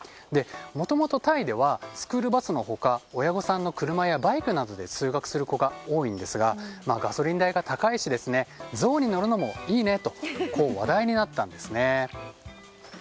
もともとタイではスクールバスの他親御さんの車やバイクなどで通学する子が多いんですがガソリン代が高いしゾウに乗るのもいいねと話題になったんですね。